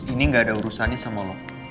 ini gak ada urusannya sama lo